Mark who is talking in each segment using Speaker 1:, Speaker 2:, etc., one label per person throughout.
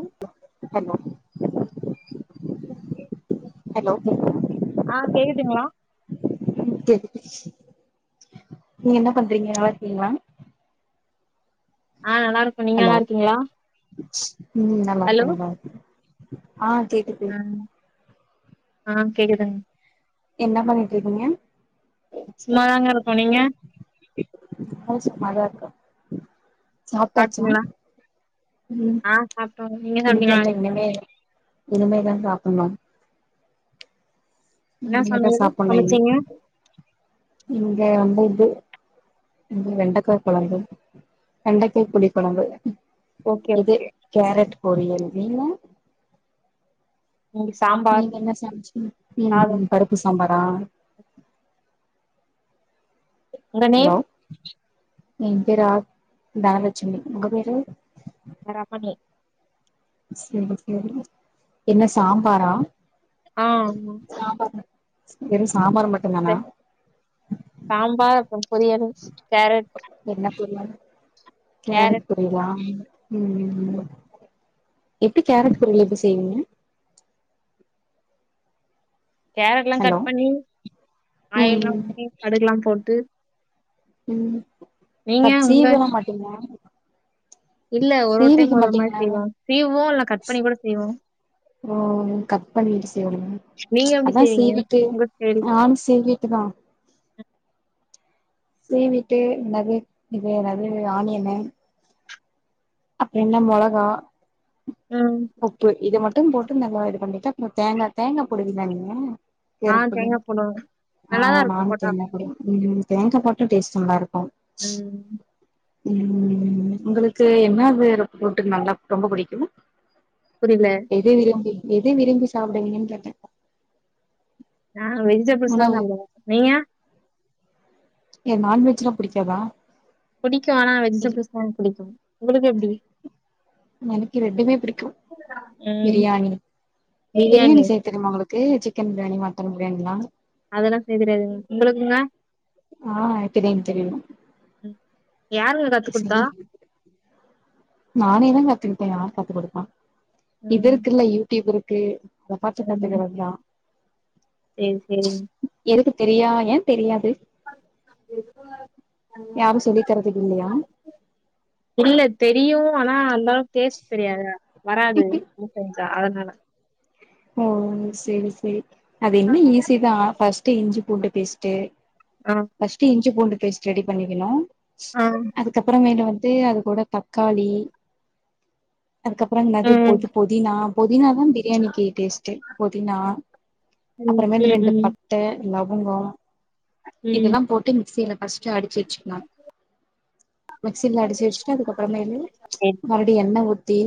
Speaker 1: ம்
Speaker 2: ஹம்மா
Speaker 1: ஓகே ஆ கேக்குதுங்களா
Speaker 2: ம் கேக்குது நீங்க என்ன பண்றீங்க நல்லார்க்கீங்ளாங்
Speaker 1: ஆ நல்லா இருக்கோ நீங்க
Speaker 2: ஹலோ
Speaker 1: நல்லா இருக்கீங்களா
Speaker 2: ம்
Speaker 1: ஹலோ
Speaker 2: நல்லாருக்கே நல்லாருக்கே ம் [unintelligible] ஆ கேக்குது
Speaker 1: ஆ ஆ கேக்குதுங்
Speaker 2: என்ன பண்ணிட்ருக்கீங்க.
Speaker 1: சும்மாதாங்க இருக்கோ நீங்க
Speaker 2: [inaudible] சும்மாதா இருக்க உம் [unintelligible] சாப்ட்டாச்சா
Speaker 1: சாப்ட்டீங்களா
Speaker 2: ம்
Speaker 1: ஆ சாப்ட்டோ நீங்க சாப்ட்டீங்களா
Speaker 2: இனுதெர்ல இன்னிமே இனிமேதா சாப்பட்ணூ
Speaker 1: என்னா சமையலு
Speaker 2: சாப்புட்ணு இனி
Speaker 1: சமச்சீங்க
Speaker 2: இங்க வந்து இது வெண்டக்கா கொழம்பு வெண்டைக்காய் புளிகொழம்பு
Speaker 1: ஓகே
Speaker 2: இது
Speaker 1: ஓகே
Speaker 2: கேரட் பொரியல் நீங்க
Speaker 1: இன்னைக்கு சாம்பார்
Speaker 2: நீங்கென்ன சமைச்சிங்க
Speaker 1: சாதம்
Speaker 2: ம்ம் பருப்பு சாம்பார் ஆஹ்
Speaker 1: உங்க
Speaker 2: ஹலோ
Speaker 1: நேம்
Speaker 2: என்பேரு ஆர் தனலச்சுமி உங்க பேரு
Speaker 1: ரமணி
Speaker 2: செரி செரி என்ன சாம்பாரா
Speaker 1: ஆ ஆமா
Speaker 2: வெறுஸ்
Speaker 1: த சாம்பார் கொஞ் பொரியல் கேரட்
Speaker 2: துருவ கேரட் பொரியலா உம் ம் எப்டி கேரட் பொரியல் எப்டி செய்விங்க
Speaker 1: கேரட்லா
Speaker 2: ஹலோ
Speaker 1: கட் பண்ணி
Speaker 2: ம்
Speaker 1: ஆயில்லா ஊத்தி கடுகுலா போட்டு
Speaker 2: உம்
Speaker 1: நீங்க
Speaker 2: கட்
Speaker 1: உங்க
Speaker 2: சீவல்லா மாட்டீங்ளா
Speaker 1: இல்ல ஒரு ஒரு
Speaker 2: சீவிக்க
Speaker 1: டைம் ஒரு ஒரு மாரி
Speaker 2: மாட்டீங்லா எது
Speaker 1: செய்வோ சீவுவோ இல்ல கட் பண்ணி கூட செய்வோ
Speaker 2: ஓ கட் பண்ணிட் சீவுங்க
Speaker 1: நீங்க எப்டி
Speaker 2: அதா
Speaker 1: செய்வீங்க
Speaker 2: சீவிட்டு
Speaker 1: உங்க ஸ்டைல்
Speaker 2: நானு சீவிட்டுதா சீவிட்டு என்னது இது எனாது ஆனியன்னு அப்றொ என்ன மொளகா
Speaker 1: ம்.
Speaker 2: உப்பு இதுமட் ட்டும் போட்டு நல்லா இதுபண்ணிட்டு அப்றொ தேங்கா தேங்கா போடுவிங்ளா நீங்க
Speaker 1: ஆ
Speaker 2: கேரட்
Speaker 1: தேங்கா
Speaker 2: பொரியல்ல
Speaker 1: போடுவோம். நல்லாதான்
Speaker 2: ஆஹ்
Speaker 1: இருக்கும்
Speaker 2: நானு
Speaker 1: போட்டா.
Speaker 2: தேங்கா போடுவே ம் தேங்கா போட் ட்டு டேஸ்ட் நல்லாருக்
Speaker 1: உம்
Speaker 2: உம் உங்களுக்கு என்னாது ரொ தொட்டுக் நல்லா ரொம்ப புடிக்கூ
Speaker 1: புரியல.
Speaker 2: எதெ விரும்பி எதை விரும்பி சாப்டுவிங்கன் கேட்டே
Speaker 1: ஆஹ் வெஜிடெபிள்ஸ்ல்லா
Speaker 2: உணவு
Speaker 1: தாங்க நீங்க
Speaker 2: ஏ நான்வெஜ்னா புடிக்காதா
Speaker 1: புடிக்கு ஆனா
Speaker 2: இல்
Speaker 1: வெஜிடபிள்ஸ் தா புடிக்கு உங்களுக்கு எப்டி
Speaker 2: எனக்கு ரெண்டுமே புடிக்கு
Speaker 1: ம்.
Speaker 2: பிரியாணி பிரியாணி செய்ய தெரிமா உங்களுக் க்கு சிக்கன் பிரியாணி மட்டன் பிரியாணிலா
Speaker 1: அதெல்லா செய்ய தெரியாதுங்க உங்களுக்குங்க
Speaker 2: ஆஹ் தெரியும் தெரியு
Speaker 1: ம். யாருங்க கத்து குடுத்தா?
Speaker 2: செய் நானே தா கத்துக்கிட்டே யார் கத்துக் குடுப்பா இது
Speaker 1: ம்.
Speaker 2: இருக்குல யூட்யூப் இருக் கே அத பாத்து கத்துக்கிறதுதா
Speaker 1: சேரி சேரிங்
Speaker 2: வீட்டுக்கு தெரியாதா தெரியாது
Speaker 1: [unintelligible]
Speaker 2: யாரு சொல்லி தரதுக்கு இல்லையா
Speaker 1: இல்ல தெரியு ஆ ஆ அந்த அளவுக்கு ஸ்டேஸ்ட் தெரியாதுல வராது ம் சேரிங்க த அதனால
Speaker 2: ஓ சேரி செரி அது இன்னு ஈஸி தா ஃபஸ் ட்டு இஞ்சி பூண்டு பேஸ்ட்டு
Speaker 1: ஆ.
Speaker 2: ஃபஸ்ட்டு இஞ்சு பூண்டு பேஸ்ட் ரெடி பண்ணிக்கனு
Speaker 1: ஆ.
Speaker 2: அதுக்கப்பற மேலும் வந்து அது கூட தக்காளி அதுக்கப்ற இந்த மாதிரி
Speaker 1: ம்.
Speaker 2: போட்டு பொதினா புதினாதா பிரியாணிக்கி டேஸ்ட்டே புதினா
Speaker 1: ம்.
Speaker 2: அப்பறமேலு
Speaker 1: ம்.
Speaker 2: ரெண்டு
Speaker 1: ம்.
Speaker 2: பட்ட லவங்கொ
Speaker 1: ம்.
Speaker 2: இதெல்லா போட்டு மிக்சில ஃபஸ்ட்டு அடிச்சு வச்சுக்னு மிக்சில அடிச்சு வச்சுட்டு அதுக்கப்பறமேலு
Speaker 1: சரி.
Speaker 2: மறுப்டி எண்ண ஊத்தி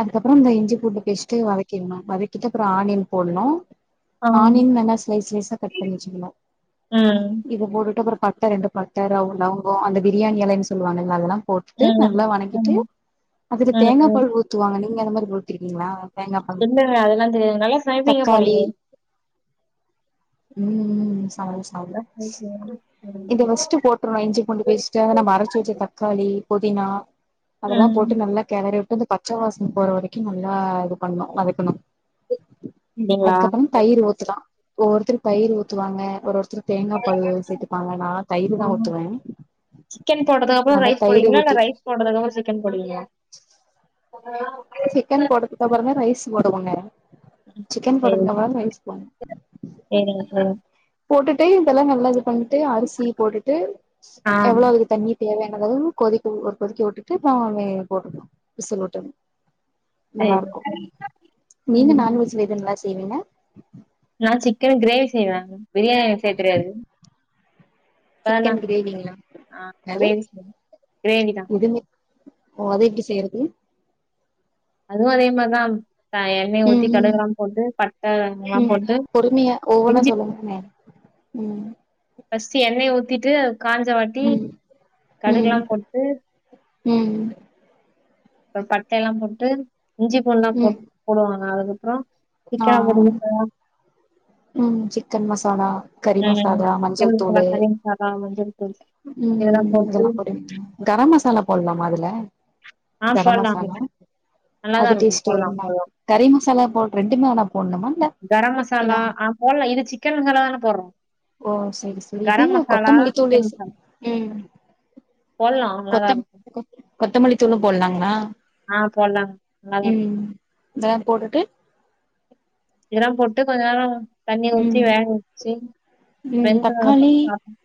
Speaker 2: அதுக்கப்பற இந்த இஞ்சி பூண்டு பேஸ்ட்டு வதக் கிறனு வதக்கிட்டு அப்ற ஆனியன் போடணு
Speaker 1: ஆ.
Speaker 2: ஆனியன் நல்லா ஸ்லைஸ் ஸ்லைஸ்சா கட் பண்ணி வச்சுக்கணு
Speaker 1: ம். ம்.
Speaker 2: இத போட்டுட்டு அப்பற பட்ட ரெண்டு பட்ட ர லவங்கம் அந்த பிரியாணி எலன்னு சொல்லுவாங்கள அதெல்லாம் போட்டுட்டு
Speaker 1: ம்.
Speaker 2: நல்லா வணக்கிட்டு அதுல
Speaker 1: ம்.
Speaker 2: தேங்கா
Speaker 1: ம்.
Speaker 2: பால் ஊத்துவாங்கலி நீங்க அந்த மாரி குடுத்துருக்கீங்களா பே
Speaker 1: என்னங்க அதெல்லா தெரியாது நல்லா சமைப்பீங்க
Speaker 2: தக்காளி
Speaker 1: போலயே
Speaker 2: ம் ம் சாரி சாரி
Speaker 1: நல்லா சமைப்பீங்க
Speaker 2: இந்த வெஸ்ட்டு போட்ருல்லா இஞ்சி பூண்டு பேஸ்ட்டு நம்ப அரச்சு வெச்ச தக்காளி ளி புதினா அதல்லா
Speaker 1: ம்
Speaker 2: போட்டு நல்லா கெளறி வி ட்டுந்த பச்ச வாசன போற வரைக்கும் நல்லா இது பண்ணு வதக்குணு
Speaker 1: அப்டிங்களா
Speaker 2: அதுக்கப்புறம் தயிர் ஊத்துலா ஒவ்வொருத்தரு தயிர் ஊத்துவாங்க ஒரு ஒருத்தரு தேங்கா பாலு சேத்து
Speaker 1: ஓ ஓ சிக்கன் போட்டதுக்கப்புறோ
Speaker 2: நல்லா
Speaker 1: ரைஸ்
Speaker 2: தயிர்
Speaker 1: போடுவிங்களா இல்ல
Speaker 2: ஊத்திட்டு
Speaker 1: ரைஸ் போட்டதுக்கப்புறோ சிக்கன் போடுவிங்களா
Speaker 2: சிக்கன் போட்டதுக்கப்புறோ தா ரைஸ் போடுவோங்க சிக்கன்
Speaker 1: சேரி
Speaker 2: போட்டதுக்கப்புறோ தா ரைஸ் போ [inaudible]
Speaker 1: சேரிங்க சேரி
Speaker 2: போட்டுட்டு இதெல்லா நல்லா விட் பண்ட்டு அரிசி போட்டுட்டு
Speaker 1: ஆ
Speaker 2: எவ்ளவு தண்ணிர் தேவையானதலா கொதிக்க ஒ கொதிக்க விட்டுட்டு ந வே போட்டுக்கலா விசில் விட்டோனோ நல்லா
Speaker 1: சேரி
Speaker 2: இருக்கும் நீங்க நான்வெஜ்ல எதுங்களா தேவைனா
Speaker 1: நா சிக்கன் கிரேவி செய்வேங்க பிரியாணி எனக்கு செய்ய தெரியாது யலா
Speaker 2: சிக்கன் கிரேவிங்களா
Speaker 1: ஆ
Speaker 2: என்னது
Speaker 1: கிரேவி செய் கிரேவிதா
Speaker 2: இதுமே ஓ அது எப்டி செய்யறது
Speaker 1: அதுவு அதேமாரிதா எண்ணைய ஊத்தி
Speaker 2: ம் ம்
Speaker 1: கடுகுல்லா போட்டு பட்ட லவங்கலா
Speaker 2: ம்
Speaker 1: போட்டு
Speaker 2: பொறுமையா ஒவ்வொன்னா
Speaker 1: இஞ்சி
Speaker 2: சொல்லுங்களே ம்
Speaker 1: ஃபஸ்ட் எண்ணெய ஊத்திட்டு காஞ்ச வாட்டி
Speaker 2: ம் ம்
Speaker 1: கடுகுல்லா போட்டு
Speaker 2: ம்
Speaker 1: அப்றோ பட்ட எல்லா போட்டு இஞ்சி பூண்டுலா
Speaker 2: ம்
Speaker 1: போட் போடுவாங்க அதுக்கப்றோ திக்கா வாருது கோன்
Speaker 2: உஹம் சிக்கன் மசாலா கறி மசாலா
Speaker 1: சிக்கன்
Speaker 2: மஞ்சள் தூள்
Speaker 1: மசாலா கறி மசாலா மஞ்சள் தூள்
Speaker 2: உம் இதெல்லாம் போட்டு வெக்கலா கரம் மசாலா போட்லாமா அதுல
Speaker 1: ஆ
Speaker 2: கரம்
Speaker 1: போடலாம்
Speaker 2: மசாலா அது
Speaker 1: நல்லாதான் இருக்கும்
Speaker 2: டேஸ்ட்
Speaker 1: போடலாம்
Speaker 2: ஒருமாரி
Speaker 1: போடலாம்
Speaker 2: கறி மசாலா போ ரெண்டுமே வேனா போடணுமா இல்ல இத
Speaker 1: போட்லா இது சிக்கன்ல தானே போட்றோ
Speaker 2: ஓ சேரி சேரி இது என்ன கொத்தமல்லித்தூள
Speaker 1: சிக்கன்
Speaker 2: ச
Speaker 1: மசாலா
Speaker 2: உம்
Speaker 1: போடலாம் நல்லாதான்
Speaker 2: கொத்தம்
Speaker 1: இருக்கும்
Speaker 2: [unintelligible] கொத்தமல்லி தூளும் போட்லாங்களா
Speaker 1: ஆ போடலாங்க நல்லாதான் இருக்கும்
Speaker 2: உம் இதல்லா போட்டுட்டு
Speaker 1: இதல்லாம் போட்டு கொஞ்ச நேரோ தண்ணி ஊத்தி
Speaker 2: ம்
Speaker 1: வேகவெச்சு
Speaker 2: ம்
Speaker 1: வெந்து அப்புறோ
Speaker 2: தக்காளி
Speaker 1: சாப்பிட்னு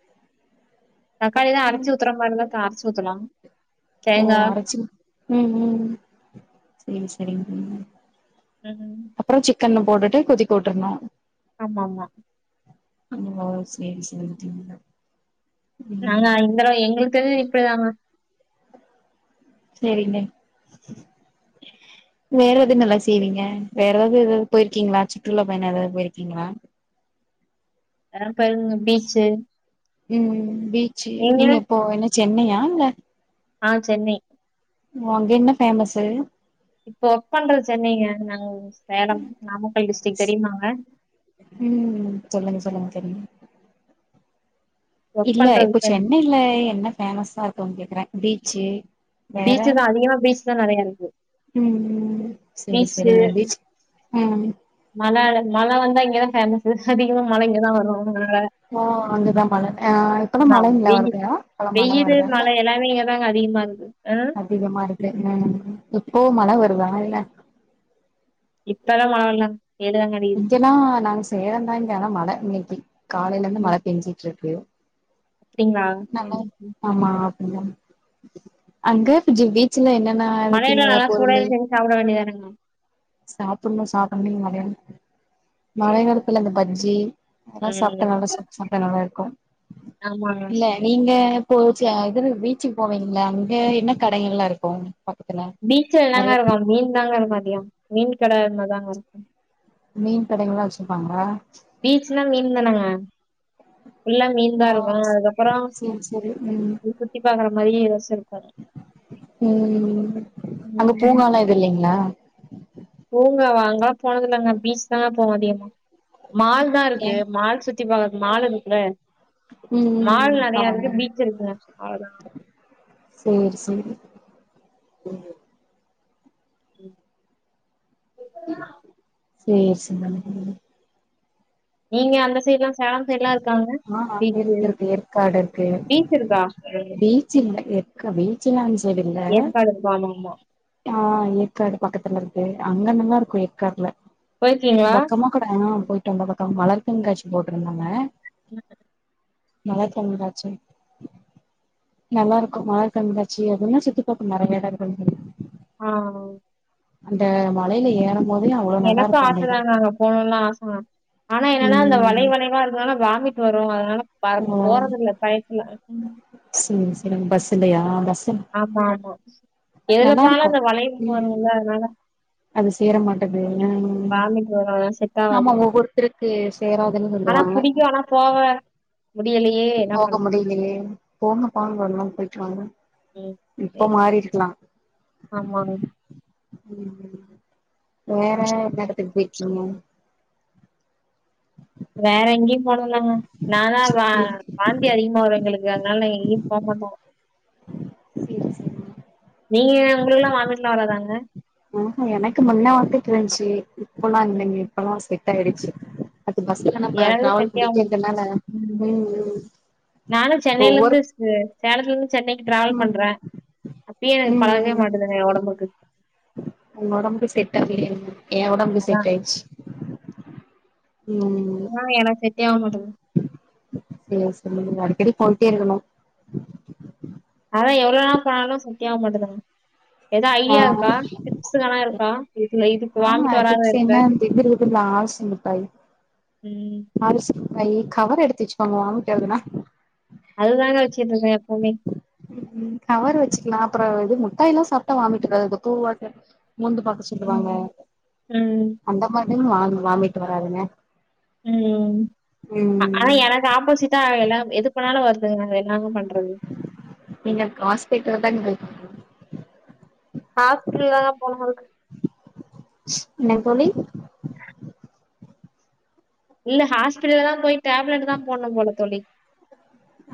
Speaker 1: தக்காளி தா அரச்சி ஊத்துத்துறோமில்லகா ரச்சி ஊத்தலாம்
Speaker 2: ஓ
Speaker 1: தேங்கா
Speaker 2: அரைச்சி உம் உம் சேரி சேரிங்க
Speaker 1: உஹம்
Speaker 2: கண்ண போட்டுட்டு கொதிக்க உட்டுட்ணோ
Speaker 1: ஆமா ஆமா
Speaker 2: [unintelligible] சேரி சேரி ஊத்தில்லா
Speaker 1: நாங்க எங்க எங்களுக்கு தெஞ்சி இப்படிதாம்மா
Speaker 2: சேரிங்க வேற எது நல்லா செய்வீங்க வேறதாவது எதாவது போயிருக்கீங்களா சுற்றுலா பயணம் ஏதாவது போயிருக்கீங்களா
Speaker 1: வேற [unintelligible] பீச்சு
Speaker 2: உம் பீச்சு நீங்க எப்போ என்ன சென்னையா இல்ல
Speaker 1: ஆஹ் சென்னை
Speaker 2: அங்க என்ன பேஃமஸ்
Speaker 1: இப்ப ஒர்க் பண்றது சென்னைங்க நாங்க சேலம் நாமக்கல் டிஸ்டிக் தெரிமாங்க
Speaker 2: சொல்லு தெரியு
Speaker 1: ஒர்க்
Speaker 2: இல்ல
Speaker 1: பண்றது
Speaker 2: இப்போ
Speaker 1: சென்
Speaker 2: சென்னைல என்ன ஃபேமஸா இரு இருக்கோ கேக்குறே பீச்சு வேற
Speaker 1: பீச்சு தா அதிகமா பீச் தா நெறைய இருக்கு
Speaker 2: ம்
Speaker 1: பீச்சு
Speaker 2: உம்
Speaker 1: மழ மழை வந்தா இங்கதா ஃபேமஸ் அதிகமா மழை இங்கதா வரோ
Speaker 2: ஓ அங்கதான் மழை ஆஹ் இப்ப எல்லா
Speaker 1: ஆம்
Speaker 2: மழைங்களா
Speaker 1: வெயி
Speaker 2: அங்க இப்ப எலாம் மழை வருதா இல்ல
Speaker 1: டி மாறுது
Speaker 2: அதிகமா இருக்கு உஹம் இப்போ மழை வருதா ஆ இல்ல
Speaker 1: இத்த மா எல்லாம்
Speaker 2: இங்க எல்லாம் நாங்க செய்யறந்தாங்க ஆனா மழை இன்னிக்கி காலையில இருந்து மழை பெஞ்சிட்டு இருக்கு
Speaker 1: அப்படிங்களா
Speaker 2: நல்லா
Speaker 1: சேரிங்க சேரி
Speaker 2: [unintelligible] அங்க ஜுவீட்ஸ்
Speaker 1: மழையில நல்லா சூடா ஏதும் செஞ்ச சாப்பிட வேண்டியதானங்க ஆஹ்
Speaker 2: சாப்புண்ணும் சாப்பட நீங்க வல்லயா மழை
Speaker 1: சேரி
Speaker 2: காலத்துல அந்த பஜ்ஜி அதல்லாம் சாப்டா
Speaker 1: ம்
Speaker 2: நல்லா [unintelligible] சாப்டா நல்லா இருக்கும்
Speaker 1: ஆமாங்க
Speaker 2: இல்ல நீங்க போச்சு அது என்ன எது பீச்சுக்கு போவீங்களா அங்க என்ன கடைகள் எலாம் இருக்கும்
Speaker 1: பீச்சல எல்லாங்க இருக்கும் மீன் தாங்க இருக்கும் அதிகம் மீன் கிடையமா தாங்க இருக்கும்
Speaker 2: மீன் கடைங்க எல்லாம் வச்சிருப்பாங்களா
Speaker 1: பீச்ன்னா மீன் தானங்க ஃபுல்லா மீன் தா
Speaker 2: ஆ
Speaker 1: இருக்கு அதுக்கப்புறோ
Speaker 2: செரி செரி உம்
Speaker 1: சுத்தி பாக்குற மாரி ஏதாச்சு இருக்கு
Speaker 2: உம் அங்க
Speaker 1: ம்
Speaker 2: பூங்கா எல்லாம் எதும் இல்லைங்களா
Speaker 1: பூங்கா வாங்க போனதில்லங்க பீச் தாங்க போனோம் அதிகமா மால் தா
Speaker 2: ஏ
Speaker 1: இருக்கு மால் சுத் சுத்தி பாக்கறக்கு மாலு இருக்குல்ல
Speaker 2: ம் ம்
Speaker 1: மால் நெறைய இருக்கு
Speaker 2: ஆமாங்க
Speaker 1: பீச் இருக்குங்க அவ்ளோ தா
Speaker 2: [unintelligible]
Speaker 1: உம்
Speaker 2: [unintelligible] சேர் [unintelligible]
Speaker 1: நீங்க அந்த சைடலாம்
Speaker 2: ஆஹ் இருக்கு இருக்கு ஏற்காடு இருக்கு
Speaker 1: பீச் இருக்கா
Speaker 2: பீச்ச இல்ல ஏற் பீச் எல்லாம்ச் இல்ல
Speaker 1: ஏற்காடு இருக்கு ஆமா ஆமா
Speaker 2: ஆஹ் ஏற்காடு பக்கத்து [unintelligible] அங்கலா நல்லா இருக்கும் எற்காட்டுல
Speaker 1: போயிருக்கீங்களா
Speaker 2: வக்கமா கடாயாமா போயிட்டு வந்த பக்கம் மலர் கண்காட்சி போட்டு இருந்தாங்க ஆஹ
Speaker 1: [unintelligible]
Speaker 2: மலர் கண்காட்சி நல்லா இருக்கும் மலர் கண்காட்சி அதுனா சுத்தி பாரக்க நெறைய எடங்கள் இருக்கும்
Speaker 1: ஆஹ்
Speaker 2: அந்த மலையில ஏறனும்
Speaker 1: எனக்கோ ஆச தாங்க நா அங்க போனோம்ல்லா ஆசை தா. ஆனா என்னன்னா அந்த வலை
Speaker 2: ம்
Speaker 1: வலையா இருக்கனால வாமிட் வரும் அதனால பா
Speaker 2: ஓ
Speaker 1: போறதில்ல பயத்துல
Speaker 2: எனக்கு பஸ் இல்லையா பஸ்
Speaker 1: ஆமா ஆமா எதுல போனாலோ
Speaker 2: இருக்கு
Speaker 1: அந்த வளைவு
Speaker 2: ம்
Speaker 1: வருமில்ல அதனால
Speaker 2: அது சேர மாட்டது
Speaker 1: வாமிட் வரு செட்
Speaker 2: ஆமா
Speaker 1: ஆவாது
Speaker 2: ஒவ்வொருத்தரு [unintelligible]
Speaker 1: ஆனா புடிக்கும் ஆனா போவே
Speaker 2: போக முடியலையே போங்கப்பா வரலாம் போயிட்டுவாங்க
Speaker 1: ம்
Speaker 2: இப்ப
Speaker 1: சரி
Speaker 2: மாறி இருக்கலா
Speaker 1: ஆமாங்க
Speaker 2: ம் வேற எல்ல இடத்துக்கு போய்யிருக்கீங்க
Speaker 1: வேற எங்கேயும் போனதுல்லங்க நானா வா
Speaker 2: சேரி
Speaker 1: வாந்தி அதிகமா வரு எங்களுக்கு அதனால எங்கயு போகமாட்டடோ
Speaker 2: சேரிங்க
Speaker 1: நீங்க உங்களுளக்குல்லா வாமிட்லா வராதாங்க
Speaker 2: ஊஹுஎனக்கு முன்ன வந்திட்ருந்துச்சு இப்பல்லா
Speaker 1: ம்
Speaker 2: இல்லங்க இப்பெல்லா இதாயிடுச்சு அது பஸ்ல நம்ம
Speaker 1: எனக்கு
Speaker 2: டிராவல்
Speaker 1: செட்டே ஆக
Speaker 2: பண்ணிட்டே
Speaker 1: மாட்டுது
Speaker 2: இருந்ததுனால
Speaker 1: ம்
Speaker 2: இ ஒர்க
Speaker 1: சேலத்ல இருந்து சென்னைக்கு டிராவல்
Speaker 2: ம்
Speaker 1: பண்றே அப்பயு எனக்கு பழகவே
Speaker 2: ம்
Speaker 1: மாட்டேதுங்க எ ஒடம்புக்கு
Speaker 2: என்னோ உடம்பம்ப செட் ஆகி என் உடம்பம்ப
Speaker 1: அதா
Speaker 2: செட் ஆய்டுச்சு ம்
Speaker 1: தேரவே மாட்டோங்க
Speaker 2: செரி சேரி அடிக்கடி போய்ட்டே இருக்கணோ
Speaker 1: அதா எவ்வளோ நாள் போனாலோ செட்டே ஆக மாட்டுதுங்க ஏதோ
Speaker 2: ஆ
Speaker 1: ஐடியா இருக்கா டிப்ஸுங்கல்லா இருக்கா இதுல இது
Speaker 2: ஆ
Speaker 1: வாமிட்டு் வராத
Speaker 2: டிப்ஸ்
Speaker 1: இருக்க
Speaker 2: என்ன இது இருக்குல்ல ஆல்ச முட்டாய்
Speaker 1: ம்
Speaker 2: கை கவரு எடுத்து வச்சுக்கோங்க வாமிட்வருதுன்னா
Speaker 1: அதுதா வச்சுட்றுப்ப எப்பமே
Speaker 2: ம் கவரு வெச்சுக்கலா அப்புறோ இது முட்டாயுலா சாப்பிட்டா வாமிட்டுவராது பூவாய்டு மூந்து பாக்க சொல்லுவாங்க
Speaker 1: ம் ம்
Speaker 2: அந்த மாரி வா வாங்வாமிட்டு வராதுங்க
Speaker 1: ம் ஆனா
Speaker 2: ம்
Speaker 1: எனக்கு ஆப்போசிட்டா எல்லாம் எது பண்ணாலோ வரு [unintelligible]
Speaker 2: நீங்க காஸ்பிடல் தா [unintelligible] [inaudible]
Speaker 1: ஹாஸ்பிட்டல் தாங்க போனு அதுக்கு
Speaker 2: இன்னாங் தோழி
Speaker 1: இல்ல ஹாஸ்டல்ல தா போய் டேப்லெட் தா போட்ணு போல தோழி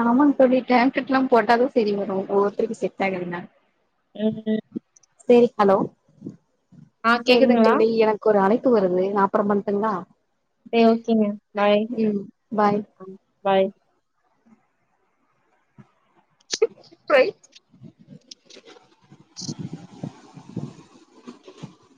Speaker 2: ஆமாங் தோழி டேப்லெட்லா போட்டா தா செரி வரு‌ [unintelligible] செட்டாய்டு [unintelligible]
Speaker 1: [unintelligible]
Speaker 2: செரி ஹலோ
Speaker 1: ஆ
Speaker 2: செரிங்
Speaker 1: கேக்குதுங்களா
Speaker 2: தோழி எனக் ஒரு அழைப்பு வருது நா அப்பறோ பண்ட்டுங்ளா
Speaker 1: சரி ஓகேங்க பாய்
Speaker 2: ம் பாய்
Speaker 1: பாய்
Speaker 2: [unintelligible]